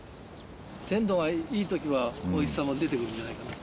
鮮度がいい時はおいしさも出てくるんじゃないかな。